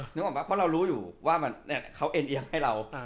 นึกออกไหมเพราะเรารู้อยู่ว่าเขาเอ็นเอียงให้เรา